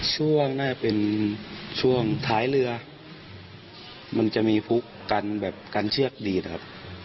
ช่วงน่าจะเป็นช่วงท้ายเรือมันจะมีพุกกันแบบกันเชือกดีดนะครับ